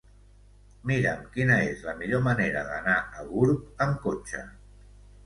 Mira'm quina és la millor manera d'anar a Gurb amb cotxe.